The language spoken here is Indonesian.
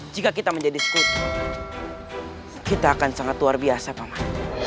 jika kita menjadi sekutu kita akan sangat luar biasa pangan